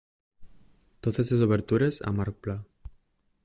Totes les obertures en arc pla.